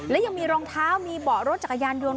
และยังมีรองเท้ามีเบาะรถจักรยานยนต์